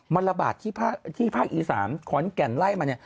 มันระบาดที่ภาคอีสานขอนแก่นไล่มาเนี่ย